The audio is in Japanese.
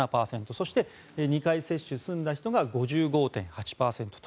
そして、２回接種済んだ人が５５．８％と。